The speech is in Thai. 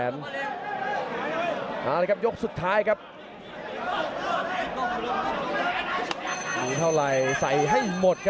โอ้โหสอกซ้ายปัดซ้าย